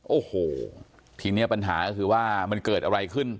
โอ้โหทีนี้ปัญหาก็คือว่ามันเกิดอะไรขึ้น